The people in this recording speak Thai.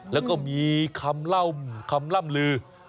แล้วก็มีคำล่ำลือ